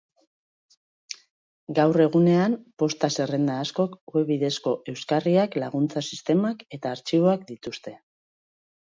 Gaur egunean, posta-zerrenda askok web bidezko euskarriak, laguntza-sistemak eta artxiboak dituzte.